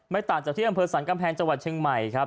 ต่างจากที่อำเภอสรรกำแพงจังหวัดเชียงใหม่ครับ